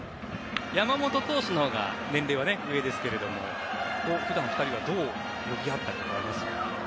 山本投手のほうが年齢は上ですけども普段、２人はどう呼び合っていますか？